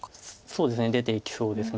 そうですね出ていきそうです。